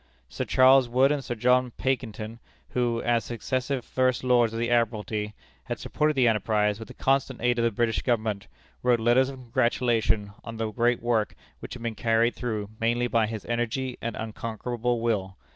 Sir Charles Wood and Sir John Pakington, who, as successive First Lords of the Admiralty, had supported the enterprise with the constant aid of the British Government, wrote letters of congratulation on the great work which had been carried through mainly by his energy and unconquerable will.